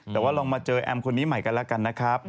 แต่ว่าลองมาเจอแอมคนนี้ใหม่กันแล้วกันนะครับ